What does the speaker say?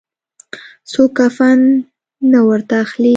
څوک کفن نه ورته اخلي.